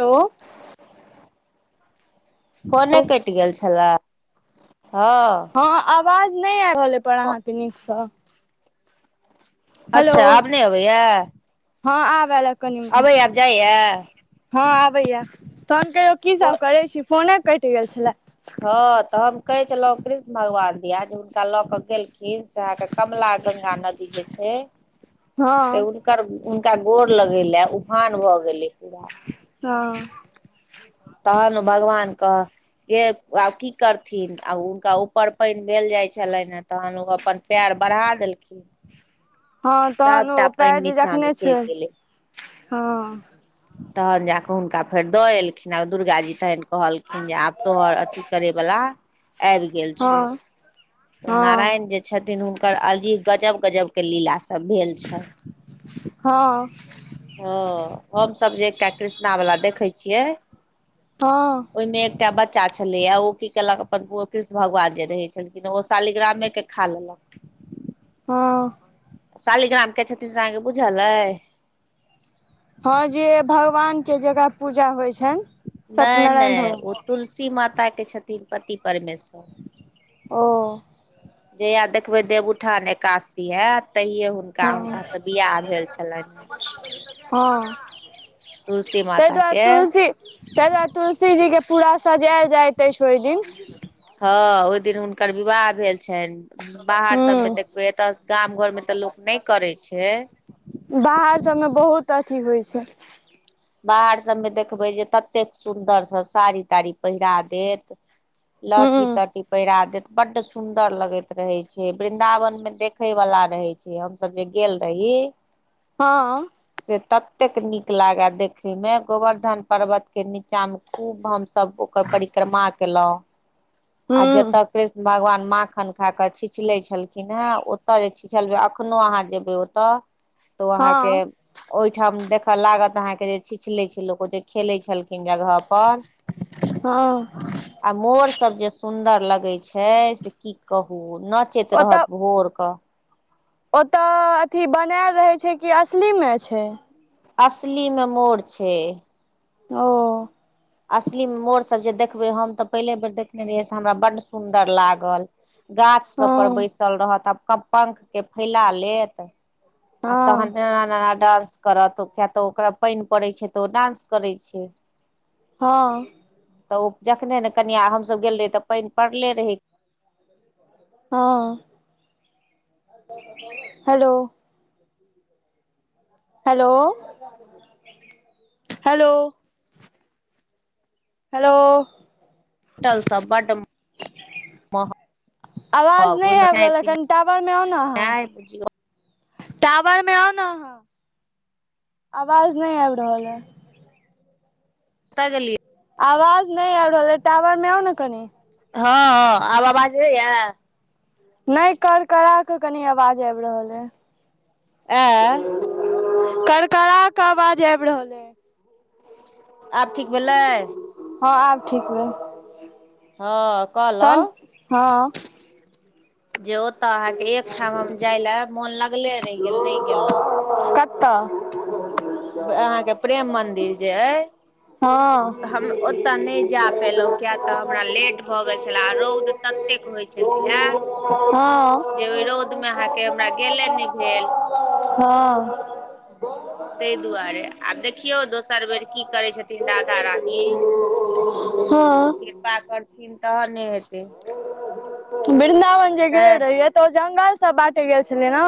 hello फोने कटि गेल छलए हँ ह आवाज नहि आबि रहल पर अहाँ के नीक से हेलो अच्छा आब नहि अबैया हँ आब ल कनि मनी अबैया आब जाइया हँ आबैया तहन कहियौ की सब करै छी फोने कटि गेल छलए हँ तऽ हम कहे छलहुं कृष्ण भगवान दीया हुनका लऽ के गेलखिन से आह के कमला गंगा नदी जे छै से हँ उ ओकर हुनका गोर लगे ले उफान भए गेलै पूरा हँ तहन ओ भगवान कह ह आब की करथिन आ हुनका ऊपर पानि भेलेल जाइ छलनि ह तहन ओ अपन प्यार बढ़ा देलखिन हँ तहन सभटा ओ पानि पैर जे नीचा मे जखने चलि छुए गेलै हँ तहन जा कऽ हुनका फेर दऽ एलखिन आ दुर्गा जी तखन कहलखिन जे आब तोहर अथी करै वाला आबि गेल छौ हँ तऽ हँ नारायण जे छथिन हुनकर अलजी गजब गजब के लीलासभ भेल छनि हँ हँ हम सभ जे एकटा कृष्णा वाला देखै छियै ह ओहिमें एकटा बच्चा छलेया ओ की केलक अपन प कृष्ण भगवान जे रहै छलखिन ओ शालिग्रामे के खा लेलक हँ शालीग्राम के छथिन से अहाँ केे बुझहल अय हँ जे भगवान के जगह पूजा होय छनि नहि सत्यनारायण नहि ओ भगवान तुलसी माताके छथिन पति परमेश्वर ओ जहिआ देखबै देवउठान एकादसी हेत तहियए हुनका हुनका हँ से बियाह भेल छलनि हँ तुलसी तै माता दुआरे के तुलसी तै दुआरे तुलसी जी के पूरा सजायल जाइत अछि ओहि दिन हँ ओहि दिन हुनकर विवाह भेल छनि बाहर ह सब मे देखबै एतऽ गाम घर मे तऽ लोक नहि करै छै बाहर सभ मे बहुत अथी होय छै बाहर सभ मे देखबै जे ततेक सुन्दर से साड़ी ताड़ी पहिरा देत ह लहठी तहठी पहिरा देत बड सुंदर लगैत रहै छै वृदाावन में देखे वाला रहो छै हम सब जे गेल रही हँ से ततेक नीक लागे देख में गोवर्धन पर्वत के नीचा में खूब भस सब ओकर परिक्रमा केलहु आ जत ह कृष्ण भगवान माखन खाकऽ छीचलै छलखिन हँ ओतऽ जे छीचलबै एखनोहु अहाँ जेबै ओतऽ [unintelligible] तऽ ओ अहाँ के ओहिठाम देखऽ लागत अहाँ के जे छिचले छै लोको अउते जे खेलै छलखिन जगह पर हँ आ मोर सब जे सुंदर लगे छै से की कहू नच चैत रहत भोरक ओतय अथी बनायल रहै छै कि असलीमे छै असली मे मोर छै ओ असलीमे मोड़ सब जे देखबे हम तऽ पहिले बेर देखने रहियै से हमरा बड्ड सुंदर लागल गाछ हँ सब पर बैसल रहत आ पपर के फैला लेत आ तखन हँ आना आना डांस करत किया तऽ ओकरा पानि पड़ैत छै तऽ ओ डान्स करैत छै हँ तऽ ओ जखने ने कनिया हमसभ गेल रहे तऽ पानि पड़ले रहै हँ हेलो हेलो हेलो हेलो टल सब बड आवाज नहि ओहिमे आबि खेनाइ रहल अखन टावरमे आउ ने अहाँ पिनाइ बुझियौ टावर में आउ ने अहाँ आवाज नहि आबि रहल ह कतअ गेललियै आवाज नहि आबि रहल यै टावर मे आउ ने कनि हँ हँ आब आवाज जाइयै नहि कर करा कऽ कनि आवाज आबि रहल अइ ऐ करकरा क आवाज आबि रहल अ आब ठीक भेलै हँ आब ठीक भेल हँ कहलौं तन हँ जे ओतऽ अहाँके एक ठाम हम जाय ले मोन लगले रहि गेल नहि गेलो कतअ अहाँके प्रेम मदिर जे अइ हँ हम ओतऽ नहि जा पयलहुँ किया तऽ हमरा लेट भऽ गेल छलए आ रौद ततेक होइ छलैयए हँ जे ओहि रौद मे अहाँके हमरा गेले नहि भेल हँ ताहि दुआरे आब देखियौ दोसर बेर की करै छथिन राधा रानी हँ कृपा करथिन तहने हेतै वृन्दावन जे गेल नहि रहिय तऽ ओ जंगल सब बाँटे गेल छलै ने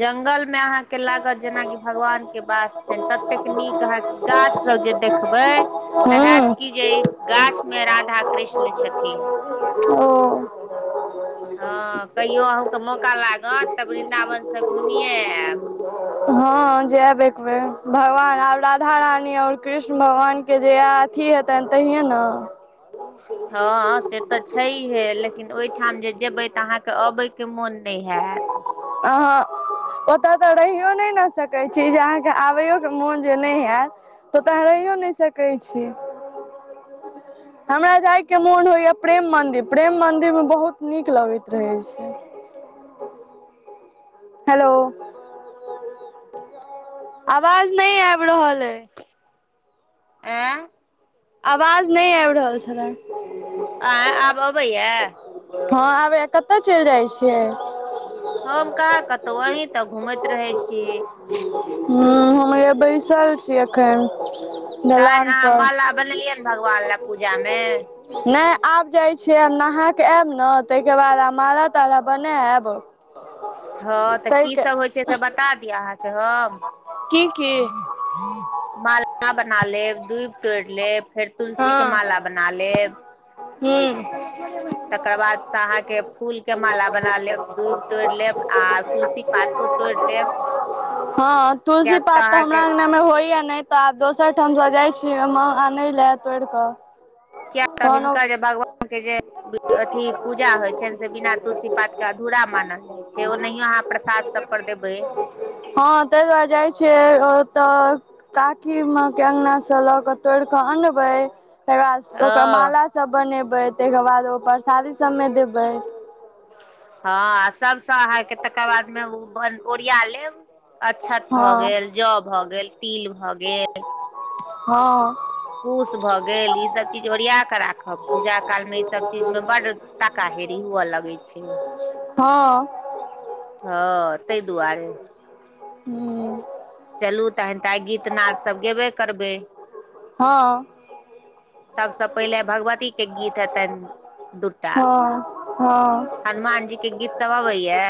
जंगल में अहाँ के लागत जेनाकि भगवान के वास छ ततेक नीक अहाँके गाछ सब जे देखबै तऽ हयत हूँ कि जे गाछ मे राधा कृष्ण छथिन ओ हँ कहियो अहूँके मौका लागत त वृन्दावन से घुमिये आयब हँ जायब एक बेेर भगवान आब राधा रानी आओर कृष्ण भगवान के जेया अथी हेतनि तहिये ने हँ से तऽ छैहे लेकिन ओहिठाम जे जेबै तऽ अहाँके अबयके मोन नै हैत अ ओतय तऽ रहियो नहि ने सकैत छी जे अहाँके आबैय ओके मोन जे नहि हयत तऽ तऽ आं रहियओ नहि सकै छी हमरा जाय के मोन होइया प्रेम मंदिर प्रेम मंदिर में बहुत नीक लगैत रहै छै हेलो अवाज नहि आबि रहल अइ ए आवाज नहि आबि रहल छलै आय आब अबैया हँ आबैया कतय चलि जाइत छियै हम कहा कतौ अहीं तऽ घूमैत रहै छी हा हम य बैसाल छी एखन तहन दलान अहाँ पर माला बनेलियै ने भगवान ले पूजा मे नहि आब जाइ छियै हम नहााक आयब ने ताहिके बाद हम माला ताला बनायब हँ तऽ की ताहिके सब होइ छै से बता दि अहाँके हम की की माला बना लेब दूभि तोड़ि लेब फेर तुलसी के माला बना लेब हू तकर बाद से अहाँ के फूल के माला बना लेब दूभि तोरि लेब आ तुलसी पातो तोरि लेब हँ तुलसी कियाक तऽ पात त अहाँके हमरा अंगना मे होय या ने ते आब दोसर ठाम स जाय छी मह आनैले तोरिके किया तऽ हिनकर जे भगवानके जे अथी पूजा होय छनि से बिना तुलसी पात के अधूरा मानल जाय छै ओ नहियो अहाँ प्रसाद सब पर देबै हँ ताहि दुआरे जाय छियै ओतऽ काकि मा के अंगना से लऽ क तोड़ि कऽ अनबै तै के बाद ओकर हँ माला सब बनेबै तहिके बाद ओ परसादी सबमे देबै हँ सबस आहां के तकर बाद मे ओ ब ओरिया लेब अक्षत हँ भऽ गेल जौ भऽ गेल तिल भऽ गेल हँ कूश भऽ गेल ईसभ चीज ओरिया कऽ राखब पूजा कालमे ईसभ चीजमे बड्ड ताका हेरी हुअ लगै छै हँ हँ तहि दुआरे [unintelligible] चलू तहन तऽ आइ गीत नादसभ गेबे करबै हँ सभसँ पहिले भगवती के गीत हेतनि दूटा हँ हँ हनुमान जी के गीत सब अबै या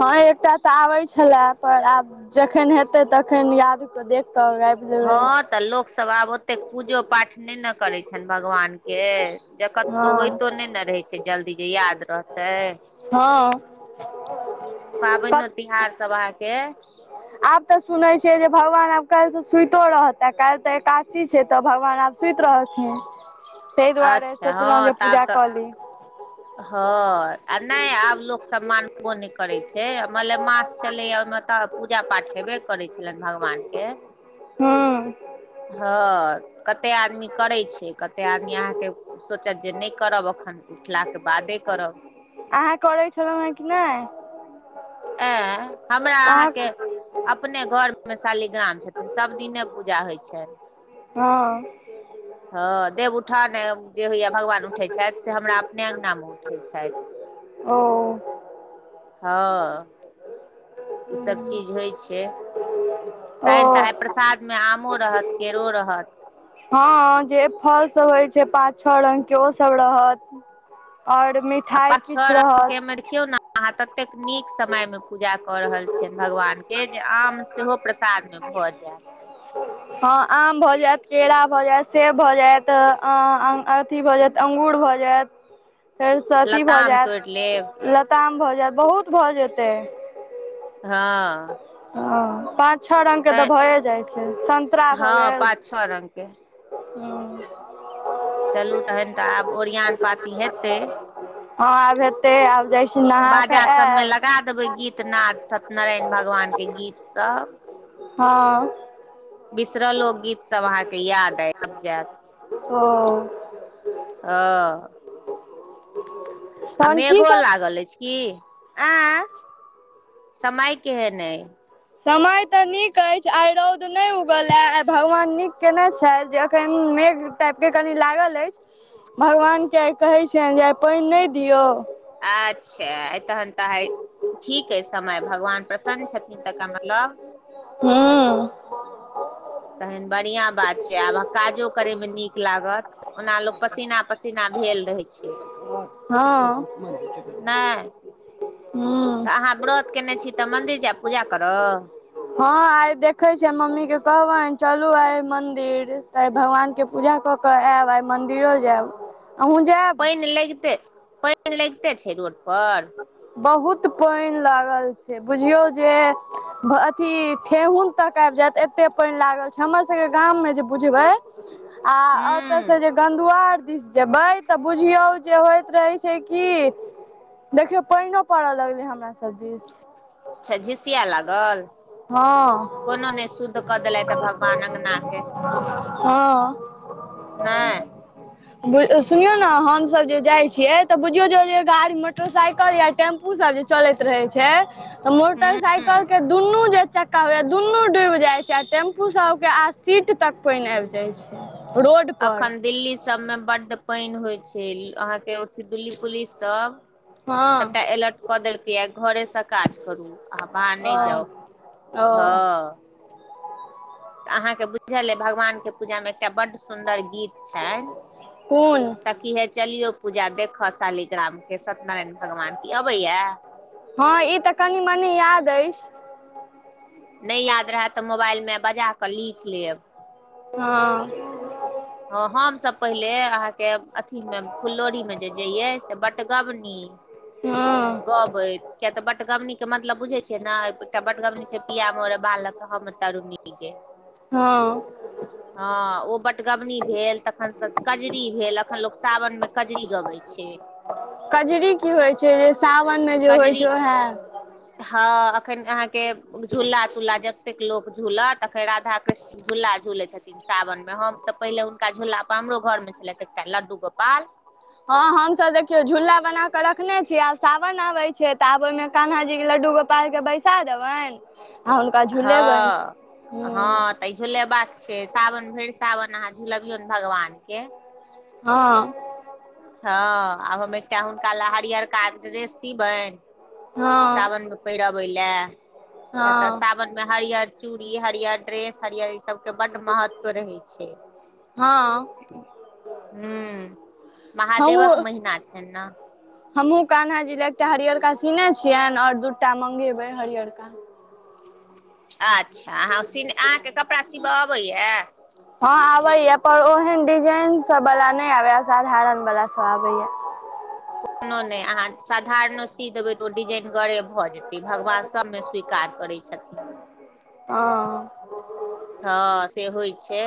हँ एकटा तऽ आबै छले पर आब जखन हेतै तखन यादके देख कऽ गाबि देबै हँ तऽ लोक सब आब ओतेक पूजो पाठ नहि ने करै छनि भगवान के के जे कतहु हँ होइतो नहि ने रहै छै जल्दी जे याद रह तै हँ पाबनि तिहार सब अहाँके आब तऽ सुनैत छैियै जे भगवान आब काल्हि से सुइतो रहता काल्हि तऽ एकादासी छै तऽ भगवान आब सुति रहलथिन ताहि दुआरे अच्छा हँ सोचलहुँ जे तऽ आब पूजा तऽ कऽ ली हँ आ नहि आब लोकसभ मानबो नहि करैत छै मलेमास छलैए ओहिमे तऽ पूजा पाठ हेबे करै छलनि भगवानके हँ हँ कते आदमी करै छै कते आदमी अहाँके सोचत जे नहि करब एखन उठलाके बादे करब अहाँ करैत छलहुँ हेँ कि नहि एं हमरा अहाँ अहाँके अपने घरमे शालीग्राम छथिन सभ दिने पूजा होय छै हँ ह देव उठाउन जे होइया भगवान उठे छथि से हमरा अपने अंगना मे उठै छथि ओ हँ ईसब चीज होय छै ओ तहन तऽ आइ प्रसादमे आमो रहत केरो रहत हँ जे फल सब होइ छै पाँच छओ रंग के ओ सब रहत आओर आ मिठाइ पाँच छ किछु रंग रहत के देख खियौ ने अहाँ ततेक नीक समय मे पूजा कऽ रहल छियनि भगवान के जे आम सेहो प्रसाद मे भऽ जायत ह हँ आम भऽ जायत केरा भऽ जायत सेब भऽ जायत अथी भऽ जायत अंगूर भऽ जायत फेर अथी भऽ लताम तोड़ि लेब जायत लताम भऽ जायत बहुत भऽ जेतै हँ हँ पाँच छओ रङ्गके तऽ तैं भए जाइ छै सन्तरा भऽ हँ गेल पाँच छओ रंग के हँ चलू तहन तऽ आब ओरियान पाती हेतै हँ आब हेतै आब जाइ छी नहा कऽ जा सबमें आयब लगा देबे गीत नाद सत्य नारायण भगवान के गीत सब हँ बिसरलो गीतसभ अहाँके याद आबि जायत ओ हँ आ मेघो लागल अछि की ऐ समय केहन अइ समय तऽ नीक अछि आइ रौद नहि उगलए आइ भगवान नीक कयने छथि जे एखन मेघ टाइप के कनि लागल अछि भगवान के आइ कहै छियनि जे आइ पानि नहि दियौ अच्छा तहन तऽ हय ठीक अ समय भगवान प्रसन्न छथिन तकर मतलब हँ तहन बढ़िआँ बात छै आब काजो करयमे नीक लागत ओना लोक पसीना पसीना भेल रहै छै हँ नहि हूं तऽ अहाँ व्रत कयने छी तऽ मंन्दिर जायब पूजा कर हँ आइ देखे छिय मम्मी के कहबनि चलू आइ मंदिर तऽ आई भगवान के पूजा कऽ कऽ आयब आइ मन्दिरो जायब अहूँ जायब पानि लगिते पानि लगिते छै रोड पर बहुत पानि लागल छै बुझियौ जे अथी ठेहुन तक आबि जायत एते पानि लागल छै हमर सब के गाम में जे बुझबे आ ओतय से हूं जे गधआार दिस जेबै तऽ बुझियौ जे होइत रहै छै की देखियौ पइनो पड़ऽ लगलै हमरा सब दिस अच्छा झिसिया लागल हँ कोनो नहि शुद्ध कऽ देलथि भगवान अङ्गना के हँ नइ बु सुनियौ ने हमसभ जे जाइ छियै तऽ बुझियौ जे गाड़ी मोटरसाइकिल या टेम्पू सब चलैत रहे छै त हूं मोटरसाइकल के दुनू जे चक्का होया दुनू डूब जाय छै आ टें्पू सब के आ सीट तक पानि आबि जाय छै रोड पर अखन दिल्ली सब मे बड्ड पानि होइ छै अहाँके दिल्ली पुलिस सब सबटा हँ अलर्ट क देलकै या घरे से काज करू आ बाहर नहि जाउ ओ हँ ओ तऽ अहाँके बुझल अइ भगवानके पूजामे एकटा बड्ड सुन्दर गीत छनि कोन स सखी हे चलियौ पूजा देखऽ शालीग्रामके सत्यनारायण भगवान के ई अबैय हँ ई तऽ कनि मनी याद अछि नहि याद रहत तऽ मोबाइलमे बजा कऽ लिख लेब हँ ह हमसभ पहिले अहाँके अथी मे फुल्लोरी मे जे जइये से बटगबनी हँ गबैत किया तऽ बटगबनी के मतलब बुझे छिय ने एकटा बटगमनी छै पिया मोर बालक हम तरूनी गे हँ ओ हँ बटगबनी भेल तखन सब कजरी भेल अखन लोग सावन मे कजरी गबै छै कजरी की होइ छै सावनमे जे होइ कजरी छै उएह हँ एखन अहाँके झूला तुला जतेक लोक झूलत अखन राधा कृष्ण झूला झुलै छथिन सावन मे हम तऽ पहिले हुनका झूला पर हमरो घर मे छलथि एकटा लड्डू गोपाल हँ हमसभ देखियौ झूला बनााके रखने छी आब सावन आबे छै तऽ आब ओहिमे कान्हा जी के लड्डू गो पारके बैसा देबनि आ हुनका झुलेबनि हँ ह हँ तऽ ई झूलेबाक छै सावन भरि सावन अहाँ झुलबियौ ने भगवान के हँ हँ आब हम एकटा हुनका एक टा लहरियरका ड्रेस सिबनि हँ सावनमे पहिरबै लए किय तऽ हँ सावन मे हरियर चूड़ी हरियर ड्रेस हरियर ई सब के बड महत्व रहै छै हँ ह महादेवक महिना छै ने हमहुँ कान्हा जी ले एकटा हरियरका सीने छियनि आऔर दूटा मंगेबै हरियरका अच्छा अहाँ सीने अहाँके कपड़ा सिबऽ अबैया हँ आबे या पर ओहेन डिजाइन सब वाला नहि आबै य साधारण वाला सब आबे या [inaudible] कोनो नहि अहाँ साधारणो सीदेबै तऽ ओ डिजेनगरे भऽ जेतै भगवान सभमे स्वीकार करै छथिन ह हँ से होइ छै